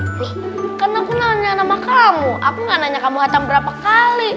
loh kan aku nanya nama kamu aku gak nanya kamu hantar berapa kali